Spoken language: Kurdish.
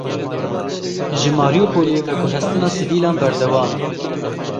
Ji Marîupolê veguhestina sivîlan berdewam e.